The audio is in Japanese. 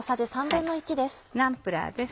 ナンプラーです。